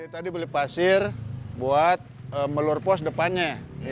tadi beli pasir buat melur pos depannya